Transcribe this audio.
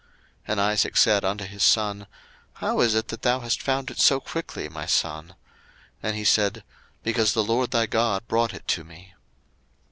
01:027:020 And Isaac said unto his son, How is it that thou hast found it so quickly, my son? And he said, Because the LORD thy God brought it to me.